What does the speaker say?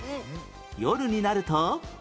夜になると